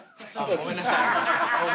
ごめんなさい。